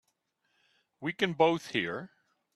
We can both hear.